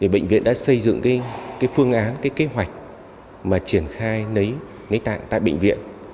bệnh viện đã xây dựng phương án kế hoạch mà triển khai lấy tạng tại bệnh viện